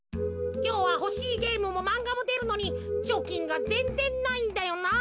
きょうはほしいゲームもまんがもでるのにちょきんがぜんぜんないんだよなあ。